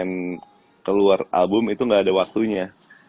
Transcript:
jadi kita mau keluar album itu gak ada waktunya